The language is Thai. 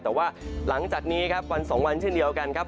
แต่ว่าหลังจากนี้ครับวัน๒วันเช่นเดียวกันครับ